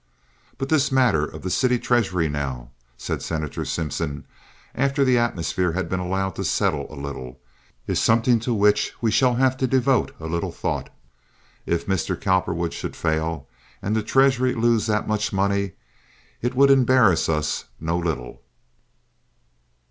"But this matter of the city treasury, now," said Senator Simpson, after the atmosphere had been allowed to settle a little, "is something to which we shall have to devote a little thought. If Mr. Cowperwood should fail, and the treasury lose that much money, it would embarrass us no little.